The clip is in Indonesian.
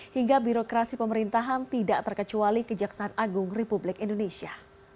hingga birokrasi pemerintahan tidak terkecuali kejaksaan agung republik indonesia